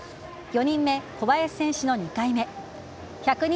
４人目、小林選手の２回目。